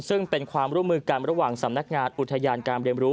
ซึ่งเป็นความร่วมมือกันระหว่างสำนักงานอุทยานการเรียนรู้